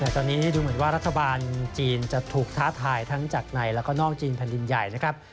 ตอนนี้ดูเหมือนว่ารัฐบาลจีนจะถูกท้าทายทั้งจากในแล้วก็นอกจีนแผ่นดินใหญ่นะครับ